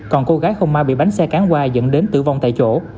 còn cô gái không may bị bánh xe cán qua dẫn đến tử vong tại chỗ